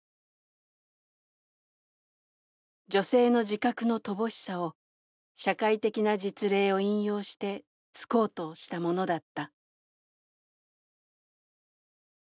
女性の自覚の乏しさを社会的な実例を引用して衝こうとしたものだった」。